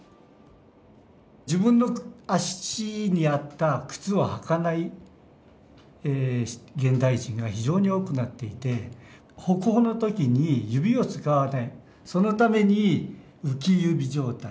自分の足に合った靴を履かない現代人が非常に多くなっていて歩行の時に指を使わない。